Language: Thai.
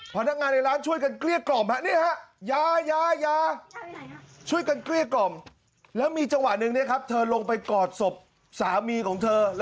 พนักงานในร้านช่วยกันเกลี้ยกล่อมฮะยายาช่วยกันเกลี้ยกล่อมแล้วมีจังหวะหนึ่งนะครับเธอลงไปกอดศพสามีของเธอ